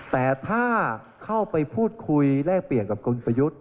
แต่ถ้าเข้าไปพูดคุยแลกเปลี่ยนกับคุณประยุทธ์